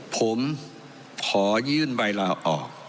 ผมขอยื่นใบลาออก